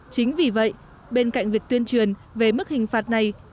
chính vì vậy bên cạnh việc tuyên truyền về mức hình phạt này